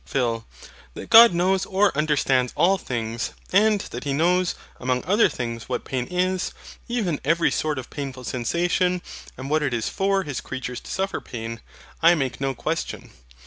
PHIL. That God knows or understands all things, and that He knows, among other things, what pain is, even every sort of painful sensation, and what it is for His creatures to suffer pain, I make no question.